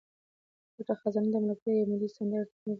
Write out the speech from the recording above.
پټه خزانه د ملکیار یوه ملي سندره تر موږ را رسولې ده.